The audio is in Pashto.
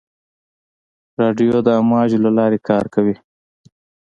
رادیو د امواجو له لارې کار کوي.